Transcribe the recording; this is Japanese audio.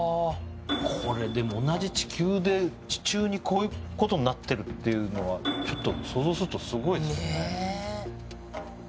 これでも同じ地球で地中にこういうことになってるっていうのはちょっと想像するとすごいですねそれはあるんですね？